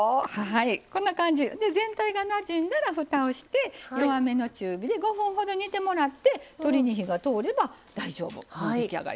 こんな感じ全体がなじんだらふたをして弱めの中火で５分ほど煮てもらって鶏に火が通れば大丈夫もう出来上がりです。